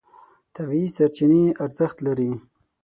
طبیعي سرچینې ارزښت لري.